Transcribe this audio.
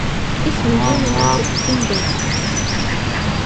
اس video میں نہ صرف ان دونوں